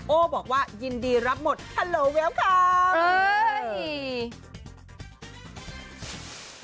โอบอกว่ายินดีรับหมดฮัลโหลเวียบคอม